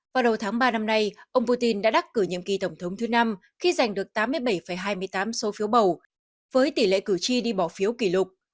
vào đầu tháng ba năm nay ông putin đã đắc cử nhiệm kỳ tổng thống thứ năm khi giành được tám mươi bảy hai mươi tám số phiếu bầu với tỷ lệ cử tri đi bỏ phiếu kỷ lục